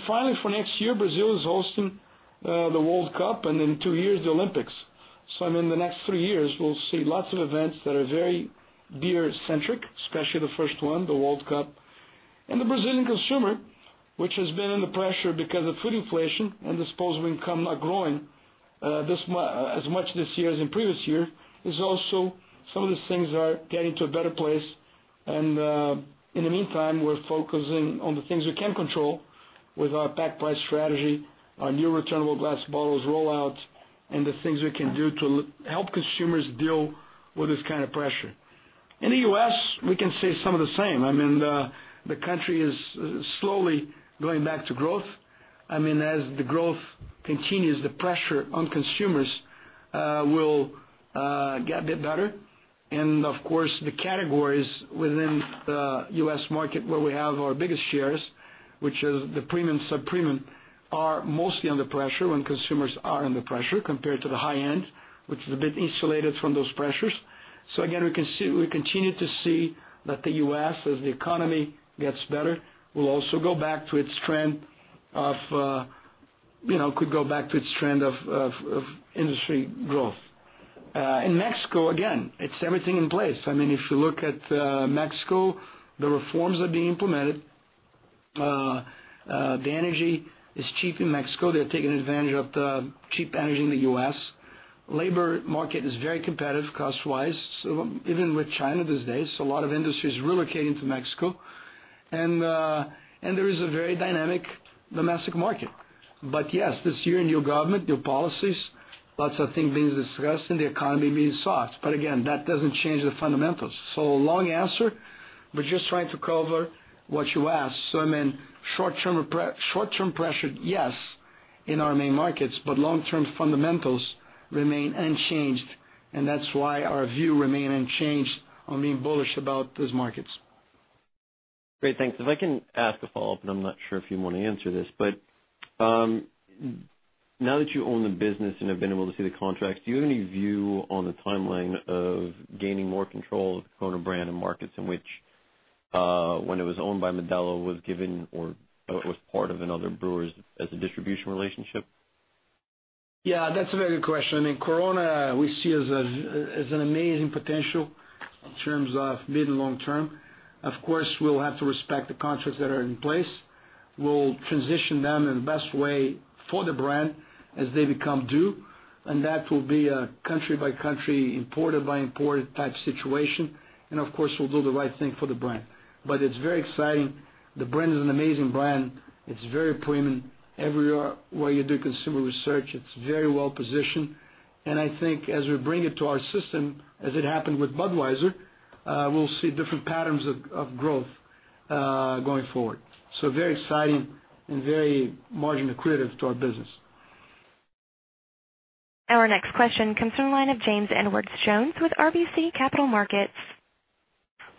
Finally, for next year, Brazil is hosting the World Cup, and in two years, the Olympics. In the next three years, we'll see lots of events that are very beer-centric, especially the first one, the World Cup. The Brazilian consumer, which has been under pressure because of food inflation and disposable income not growing as much this year as in previous years, is also some of the things are getting to a better place. In the meantime, we're focusing on the things we can control with our pack price strategy, our new returnable glass bottles rollout, and the things we can do to help consumers deal with this kind of pressure. In the U.S., we can say some of the same. The country is slowly going back to growth. As the growth continues, the pressure on consumers will get a bit better. Of course, the categories within the U.S. market where we have our biggest shares, which is the premium, sub-premium, are mostly under pressure when consumers are under pressure compared to the high-end, which is a bit insulated from those pressures. Again, we continue to see that the U.S., as the economy gets better, will also go back to its trend of industry growth. In Mexico, again, it's everything in place. If you look at Mexico, the reforms are being implemented. The energy is cheap in Mexico. They're taking advantage of the cheap energy in the U.S. Labor market is very competitive cost-wise, even with China these days. A lot of industries relocating to Mexico. There is a very dynamic domestic market. Yes, this year, new government, new policies, lots of things being discussed, and the economy being soft. Again, that doesn't change the fundamentals. Long answer, but just trying to cover what you asked. Short-term pressure, yes. In our main markets, but long-term fundamentals remain unchanged, and that's why our view remain unchanged on being bullish about those markets. Great. Thanks. If I can ask a follow-up, I'm not sure if you want to answer this, now that you own the business and have been able to see the contracts, do you have any view on the timeline of gaining more control of Corona brand and markets in which, when it was owned by Modelo, was given or it was part of another brewers as a distribution relationship? Yeah, that's a very good question. In Corona, we see as an amazing potential in terms of mid- and long-term. Of course, we'll have to respect the contracts that are in place. We'll transition them in the best way for the brand as they become due, that will be a country-by-country, importer-by-importer type situation. Of course, we'll do the right thing for the brand. It's very exciting. The brand is an amazing brand. It's very premium. Everywhere you do consumer research, it's very well-positioned. I think as we bring it to our system, as it happened with Budweiser, we'll see different patterns of growth going forward. Very exciting and very margin accretive to our business. Our next question comes from the line of James Edwardes Jones with RBC Capital Markets.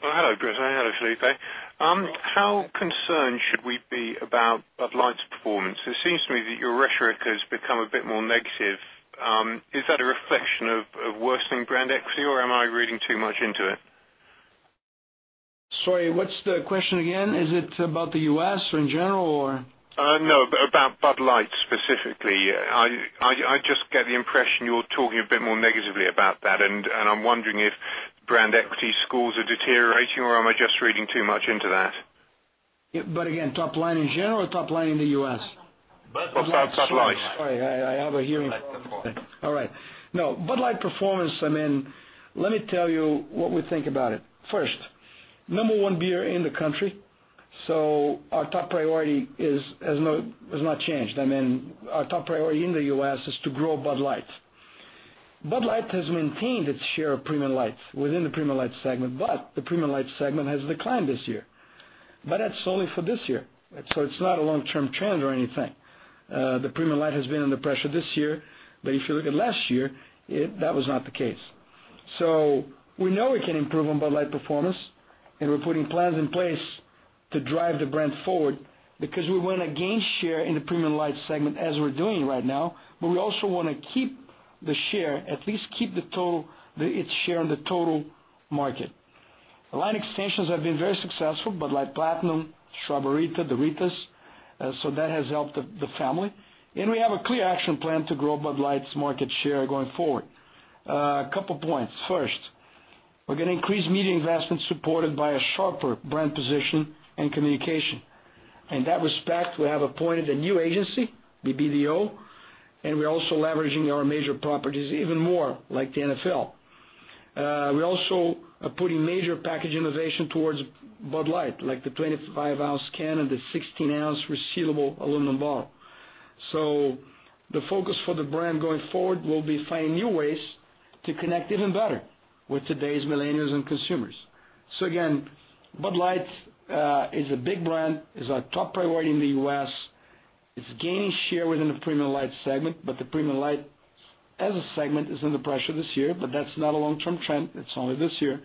Well, hello, Brito. Hello, Felipe. How concerned should we be about Bud Light's performance? It seems to me that your rhetoric has become a bit more negative. Is that a reflection of worsening brand equity, or am I reading too much into it? Sorry, what's the question again? Is it about the U.S. or in general, or? No, about Bud Light specifically. I just get the impression you're talking a bit more negatively about that, and I'm wondering if brand equity scores are deteriorating, or am I just reading too much into that? Again, top line in general or top line in the U.S.? About Bud Light. Sorry, I have a hearing. All right. Bud Light performance, let me tell you what we think about it. First, number one beer in the country, our top priority has not changed. Our top priority in the U.S. is to grow Bud Light. Bud Light has maintained its share of premium lights within the premium light segment, the premium light segment has declined this year. That's solely for this year, it's not a long-term trend or anything. The premium light has been under pressure this year, if you look at last year, that was not the case. We know we can improve on Bud Light performance, we're putting plans in place to drive the brand forward because we want to gain share in the premium light segment as we're doing right now, we also want to keep the share, at least keep its share in the total market. The line extensions have been very successful, Bud Light Platinum, Straw-Ber-Rita, the Ritas, that has helped the family. We have a clear action plan to grow Bud Light's market share going forward. A couple points. First, we're going to increase media investment supported by a sharper brand position and communication. In that respect, we have appointed a new agency, BBDO, we're also leveraging our major properties even more, like the NFL. We also are putting major package innovation towards Bud Light, like the 25-ounce can and the 16-ounce resealable aluminum bottle. The focus for the brand going forward will be finding new ways to connect even better with today's millennials and consumers. Again, Bud Light is a big brand, is our top priority in the U.S. It's gaining share within the premium light segment, the premium light as a segment is under pressure this year, that's not a long-term trend. It's only this year.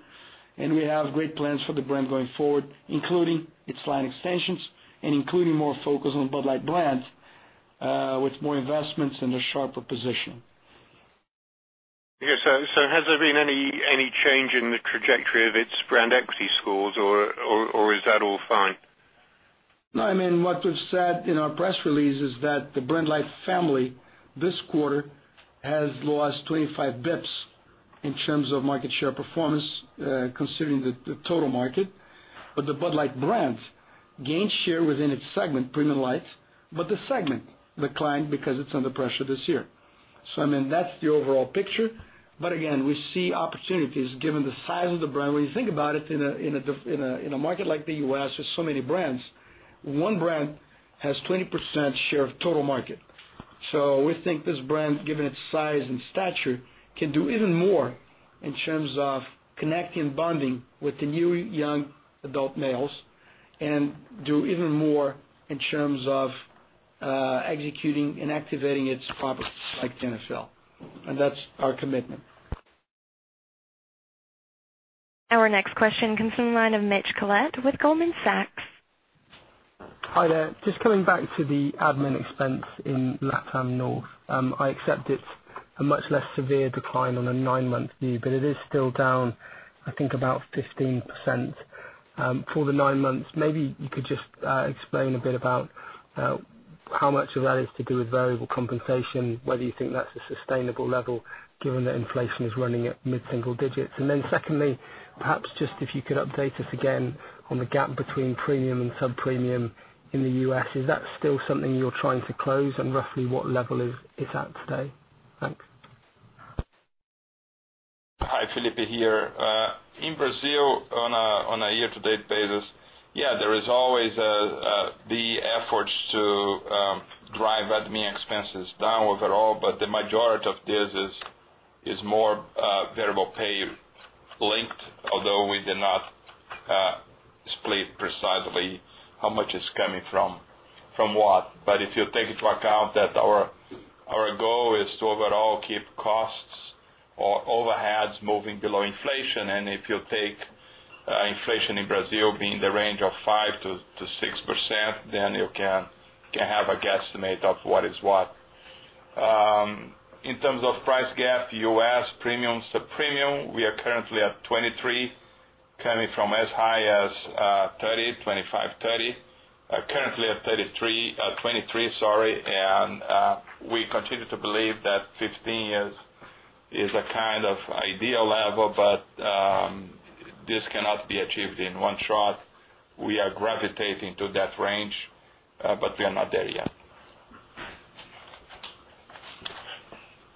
We have great plans for the brand going forward, including its line extensions and including more focus on Bud Light brands, with more investments and a sharper position. Okay. Has there been any change in the trajectory of its brand equity scores, is that all fine? What we've said in our press release is that the Bud Light family this quarter has lost 25 basis points in terms of market share performance, considering the total market. The Bud Light brand gained share within its segment, premium lights, but the segment declined because it's under pressure this year. That's the overall picture. Again, we see opportunities given the size of the brand. When you think about it, in a market like the U.S., with so many brands, one brand has 20% share of total market. We think this brand, given its size and stature, can do even more in terms of connecting, bonding with the new young adult males and do even more in terms of executing and activating its properties like the NFL. That's our commitment. Our next question comes from the line of Mitch Collett with Goldman Sachs. Hi there. Just coming back to the admin expense in LATAM North. I accept it's a much less severe decline on a nine-month view, but it is still down, I think, about 15% for the nine months. Maybe you could just explain a bit about how much of that is to do with variable compensation, whether you think that's a sustainable level given that inflation is running at mid-single digits. Then secondly, perhaps just if you could update us again on the gap between premium and sub-premium in the U.S. Is that still something you're trying to close and roughly what level it's at today? Thanks. Hi, Felipe here. In Brazil, on a year-to-date basis, there is always the efforts to drive admin expenses down overall, but the majority of this is more variable pay linked. If you take into account that our goal is to overall keep costs or overheads moving below inflation, if you take inflation in Brazil being in the range of 5%-6%, you can have a guesstimate of what is what. In terms of price gap, U.S. premium, sub-premium, we are currently at 23, coming from as high as 30, 25, 30. Currently at 23, sorry, we continue to believe that 15 is a kind of ideal level, but this cannot be achieved in one shot. We are gravitating to that range, but we are not there yet.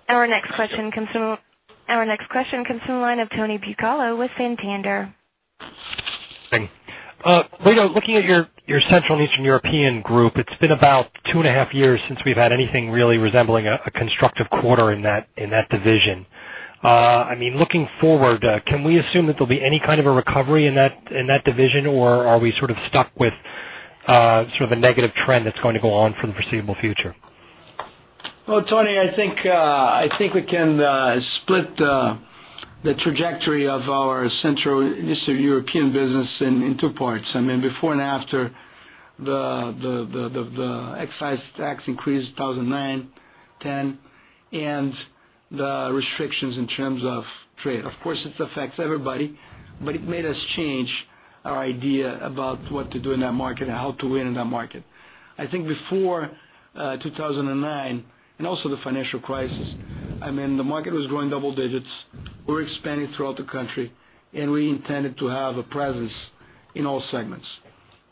Our next question comes from the line of Tony Bucalo with Santander. Thanks. Brito, looking at your Central and Eastern European group, it's been about two and a half years since we've had anything really resembling a constructive quarter in that division. Looking forward, can we assume that there'll be any kind of a recovery in that division, or are we sort of stuck with a sort of a negative trend that's going to go on for the foreseeable future? Well, Tony, I think we can split the trajectory of our Central and Eastern European business in two parts. Before and after the excise tax increase 2009, 2010, and the restrictions in terms of trade. Of course, it affects everybody. It made us change our idea about what to do in that market and how to win in that market. I think before 2009, also the financial crisis, the market was growing double digits. We were expanding throughout the country, and we intended to have a presence in all segments.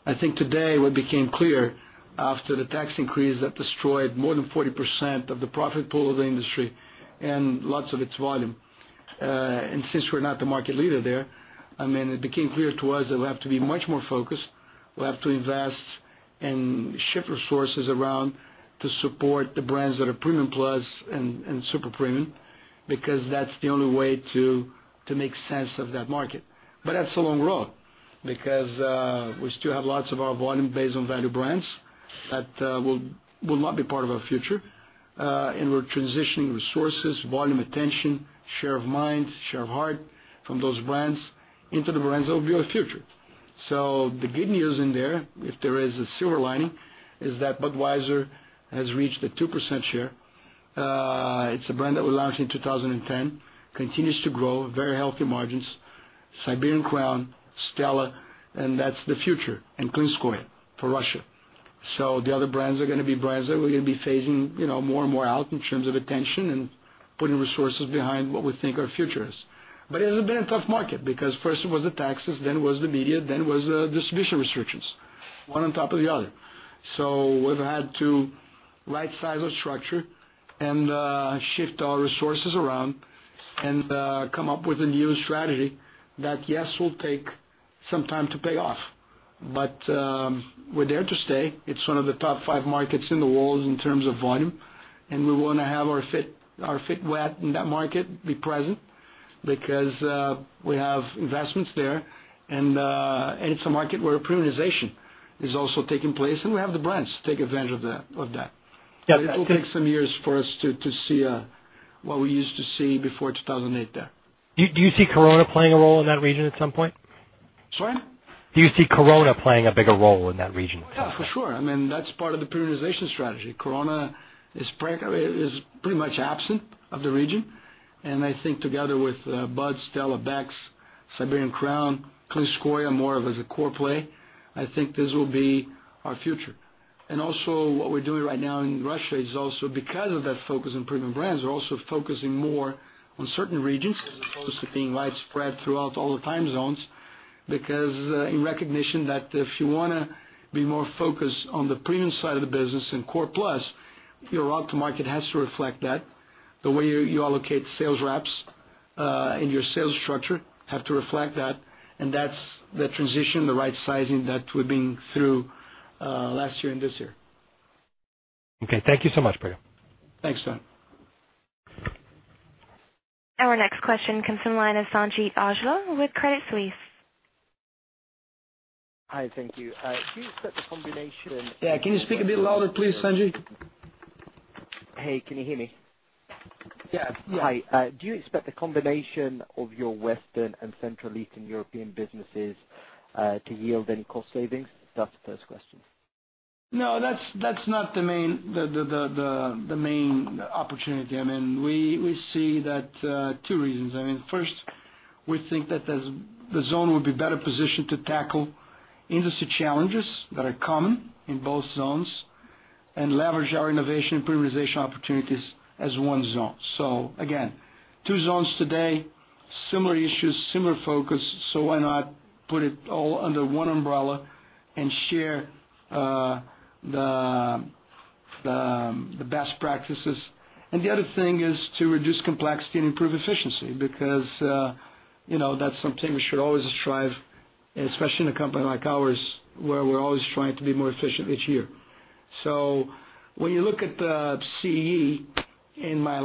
I think today what became clear after the tax increase that destroyed more than 40% of the profit pool of the industry and lots of its volume. Since we're not the market leader there, it became clear to us that we have to be much more focused. We have to invest and shift resources around to support the brands that are premium plus and super premium, because that's the only way to make sense of that market. That's a long road, because we still have lots of our volume based on value brands that will not be part of our future. We're transitioning resources, volume, attention, share of mind, share of heart from those brands into the brands that will be our future. The good news in there, if there is a silver lining, is that Budweiser has reached a 2% share. It's a brand that we launched in 2010, continues to grow, very healthy margins. Siberian Crown, Stella, and that's the future, and Klinskoye for Russia. The other brands are going to be brands that we're going to be phasing more and more out in terms of attention and putting resources behind what we think our future is. It has been a tough market, because first it was the taxes, then it was the media, then it was the distribution restrictions, one on top of the other. We've had to right-size our structure and shift our resources around and come up with a new strategy that, yes, will take some time to pay off. We're there to stay. It's one of the top five markets in the world in terms of volume, and we want to have our feet wet in that market, be present, because we have investments there, and it's a market where premiumization is also taking place, and we have the brands to take advantage of that. Yeah. It will take some years for us to see what we used to see before 2008 there. Do you see Corona playing a role in that region at some point? Sorry? Do you see Corona playing a bigger role in that region? Yeah, for sure. That's part of the premiumization strategy. Corona is pretty much absent of the region, and I think together with Buds, Stella, Beck's, Siberian Crown, Klinskoye more as a core play, I think this will be our future. Also what we're doing right now in Russia is also because of that focus on premium brands. We're also focusing more on certain regions as opposed to being widespread throughout all the time zones. In recognition that if you want to be more focused on the premium side of the business and core plus, your route to market has to reflect that. The way you allocate sales reps and your sales structure have to reflect that, and that's the transition, the right sizing that we've been through last year and this year. Okay. Thank you so much, Brito. Thanks, Tony. Our next question comes from the line of Sanjeet Aujla with Credit Suisse. Hi. Thank you. Do you expect the combination- Yeah. Can you speak a bit louder, please, Sanjeet? Hey, can you hear me? Yeah. Hi. Do you expect the combination of your Western and Central Eastern European businesses to yield any cost savings? That's the first question. No, that's not the main opportunity. We see that two reasons. First, we think that the zone would be better positioned to tackle industry challenges that are common in both zones and leverage our innovation and premiumization opportunities as one zone. Again, two zones today, similar issues, similar focus, so why not put it all under one umbrella and share the best practices? The other thing is to reduce complexity and improve efficiency, because that's something we should always strive, especially in a company like ours, where we're always trying to be more efficient each year. When you look at the CEE in my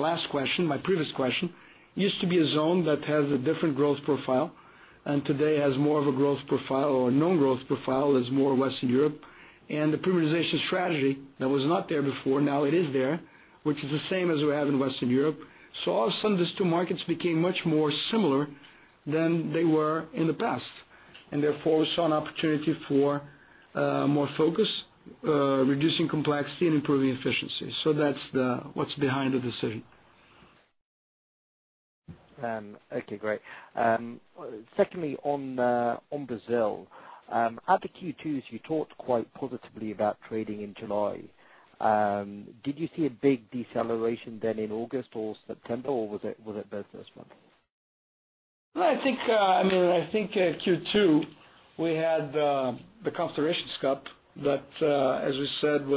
previous question, used to be a zone that has a different growth profile, and today has more of a growth profile or a non-growth profile as more Western Europe. The premiumization strategy that was not there before, now it is there, which is the same as we have in Western Europe. All of a sudden, these two markets became much more similar than they were in the past. Therefore, we saw an opportunity for more focus, reducing complexity, and improving efficiency. That's what's behind the decision. Okay, great. Secondly, on Brazil, at the Q2s you talked quite positively about trading in July. Did you see a big deceleration then in August or September, or was it both those months? No, I think, Q2, we had the FIFA Confederations Cup that, as we said,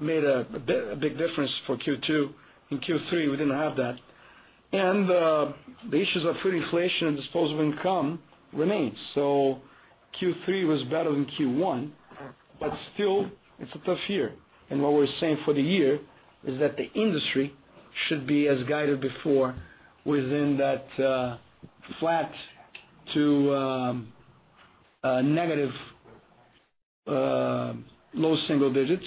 made a big difference for Q2. In Q3, we didn't have that. The issues of food inflation and disposable income remains. Q3 was better than Q1, but still, it's a tough year. What we're saying for the year is that the industry should be as guided before within that flat to negative low single digits.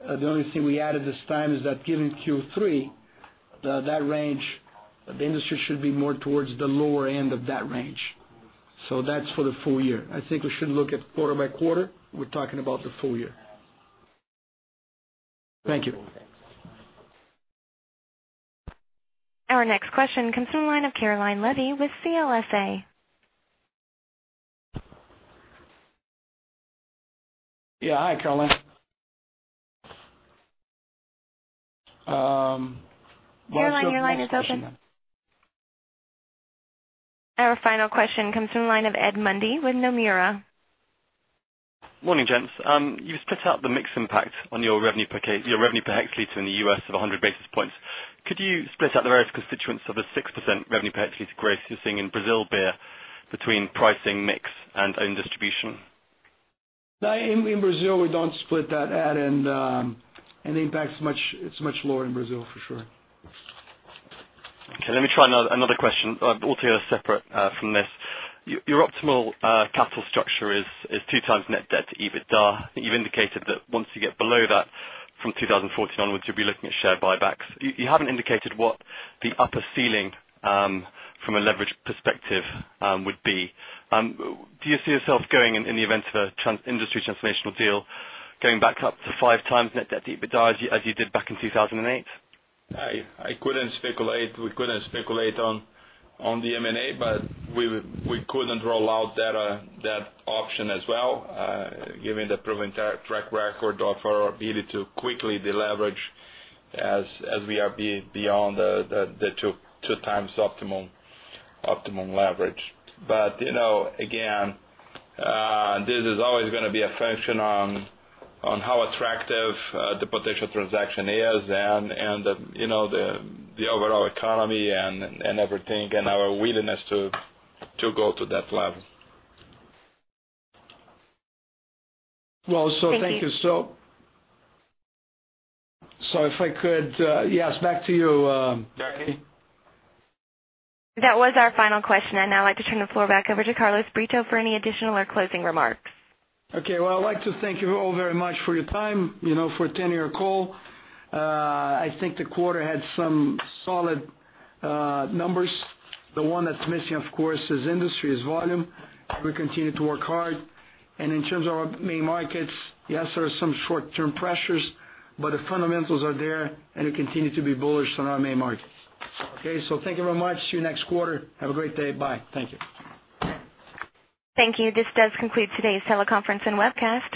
The only thing we added this time is that given Q3, that range, the industry should be more towards the lower end of that range. That's for the full year. I think we should look at quarter by quarter. We're talking about the full year. Thank you. Our next question comes from the line of Caroline Levy with CLSA. Yeah. Hi, Caroline. What is your next question then? Caroline, your line is open. Our final question comes from the line of Edward Mundy with Nomura. Morning, gents. You have split up the mix impact on your revenue per hectoliter in the U.S. of 100 basis points. Could you split out the various constituents of a 6% revenue per hectoliter growth you are seeing in Brazil beer between pricing mix and own distribution? In Brazil, we don't split that, Ed. The impact, it's much lower in Brazil for sure. Okay, let me try another question altogether separate from this. Your optimal capital structure is two times net debt to EBITDA. You've indicated that once you get below that from 2014 onwards, you'll be looking at share buybacks. You haven't indicated what the upper ceiling, from a leverage perspective, would be. Do you see yourself going, in the event of an industry transformational deal, going back up to five times net debt to EBITDA as you did back in 2008? I couldn't speculate. We couldn't speculate on the M&A, but we couldn't rule out that option as well, given the proven track record of our ability to quickly deleverage as we are beyond the two times optimum leverage. Again, this is always gonna be a function on how attractive the potential transaction is and the overall economy and everything, and our willingness to go to that level. Well, thank you. If I could, yes, back to you. That was our final question. I'd now like to turn the floor back over to Carlos Brito for any additional or closing remarks. Okay. Well, I'd like to thank you all very much for your time, for attending our call. I think the quarter had some solid numbers. The one that's missing, of course, is industry, is volume. We continue to work hard. In terms of our main markets, yes, there are some short-term pressures, but the fundamentals are there, and we continue to be bullish on our main markets. Okay, thank you very much. See you next quarter. Have a great day. Bye. Thank you. Thank you. This does conclude today's teleconference and webcast.